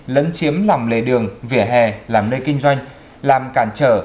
lấn chiếm lòng lề đường vỉa hè làm nơi kinh doanh làm cản trở